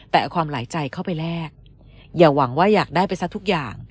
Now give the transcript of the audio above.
แต่เอาความหลายใจเข้าไปแลกอย่าหวังว่าอยากได้ไปซะทุกอย่าง